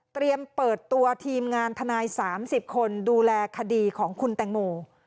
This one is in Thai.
เปิดตัวทีมงานทนาย๓๐คนดูแลคดีของคุณแตงโม